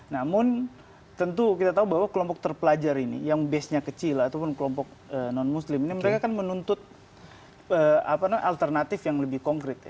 namun tentu kita tahu bahwa kelompok terpelajar ini yang base nya kecil ataupun kelompok non muslim ini mereka kan menuntut alternatif yang lebih konkret